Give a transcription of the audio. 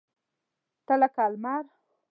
تۀ لکه لمر !